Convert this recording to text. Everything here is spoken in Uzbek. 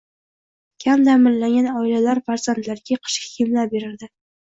Kam ta’minlangan oilalar farzandlariga qishki kiyimlar berildi